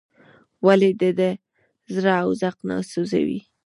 ولې د ده زړه او ذوق نه سوزي.